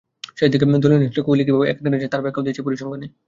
শেষ দিকে দলীয় ইনিংসটা কোহলি কীভাবে একা টেনেছেন তাঁর ব্যাখ্যাও দিয়েছে পরিসংখ্যান।